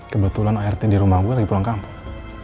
kebetulan art di rumah gue lagi pulang kampung